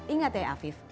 ingat ya afif